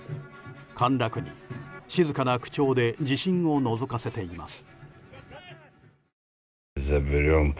陥落に、静かな口調で自信をのぞかせています。